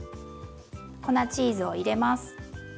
粉チーズを入れます。